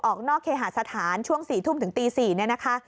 ออกนอกเคหาสถานช่วง๔ทุ่มถึงตี๔เนี่ยนะคะ